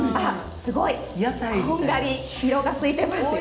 すごい、こんがりと色がついていますよ。